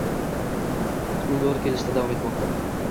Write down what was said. Qutlovlar kelishda davom etmoqda